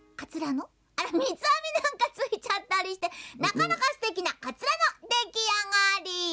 みつあみなんかついちゃったりしてなかなかすてきなかつらのできあがり！